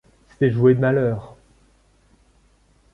C’était jouer de malheur!